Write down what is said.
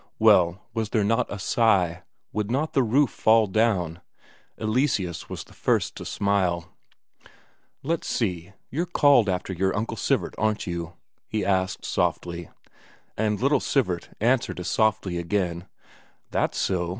Well, was there not a sigh would not the roof fall down? Eleseus was the first to smile. "Let's see you're called after your Uncle Sivert, aren't you?" he asked softly. And little Sivert answered as softly again: "That's so.